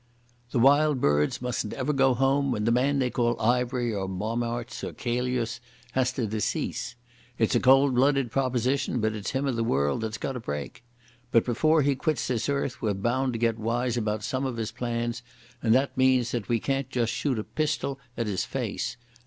"The Wild Birds mustn't ever go home, and the man they call Ivery or Bommaerts or Chelius has to decease. It's a cold blooded proposition, but it's him or the world that's got to break. But before he quits this earth we're bound to get wise about some of his plans, and that means that we can't just shoot a pistol at his face.